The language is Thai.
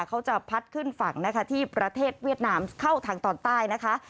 เขาจะพัดขึ้นฝั่งนะคะที่ประเทศเวียดนามเข้าทางตอนใต้นะคะ